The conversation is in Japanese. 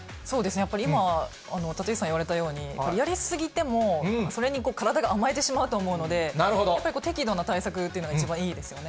やっぱり今、立石さん言われたように、やり過ぎても、それに体が甘えてしまうと思うので、やっぱり適度な対策というのが一番いいですよね。